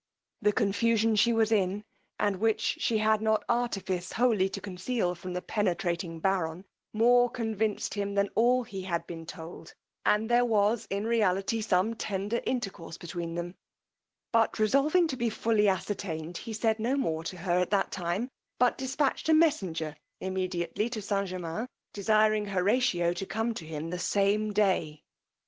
The confusion she was in, and which she had not artifice wholly to conceal from the penetrating baron, more convinced him, than all he had been told, that there was in reality some tender intercourse between them; but resolving to be fully ascertained, he said no more to her at that time, but dispatched a messenger immediately to St. Germains, desiring Horatio to come to him the same day.